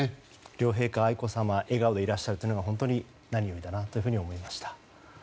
両陛下、愛子さまが笑顔でいらっしゃるというのが本当に何よりだなというふうに思いました。